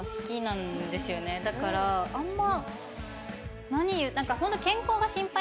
だからあんま。